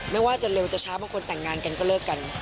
ไม่ว่าจะเร็วจะช้าบางคนแต่งงานกันก็เลิกกัน